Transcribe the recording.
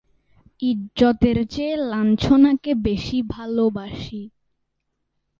ইজ্জতের চেয়ে লাঞ্ছনাকে বেশী ভালবাসি।